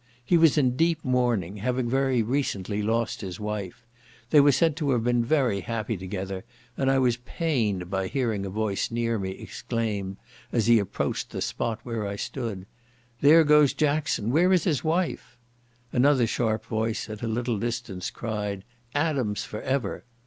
He was in deep mourning, having very recently lost his wife; they were said to have been very happy together, and I was pained by hearing a voice near me exclaim, as he approached the spot where I stood, "There goes Jackson, where is his wife?" Another sharp voice, at a little distance, cried, "Adams for ever!"